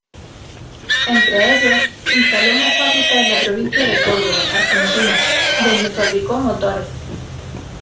Entre ellos, instaló una fábrica en la provincia de Córdoba, Argentina, donde fabricó motores.